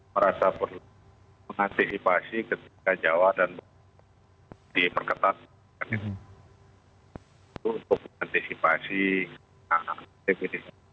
merasa perlu mengantisipasi ketika jawa dan bukit perketan untuk mengantisipasi tb ini